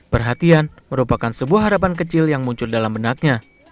perhatian merupakan sebuah harapan kecil yang muncul dalam benaknya